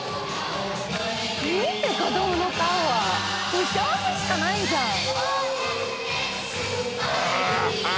見て子どもの顔は幸せしかないじゃん